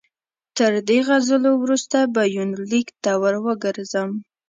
تر دې غزلو وروسته به یونلیک ته ور وګرځم.